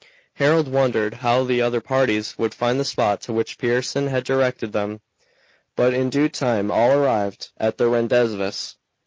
Harold wondered how the other parties would find the spot to which Pearson had directed them, but in due time all arrived at the rendezvous.